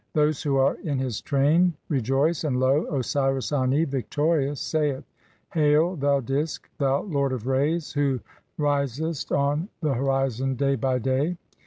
Those who are in his train (2) rejoice, and lo! Osiris Ani, victorious, saith :— "Hail, thou Disk, thou lord of rays, (4) who risest on the "horizon day by day!